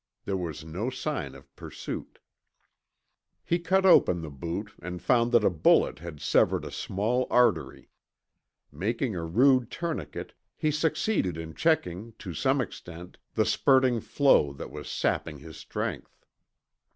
There was no sign of pursuit. He cut open the boot and found that a bullet had severed a small artery. Making a rude tourniquet, he succeeded in checking, to some extent, the spurting flow that was sapping his strength.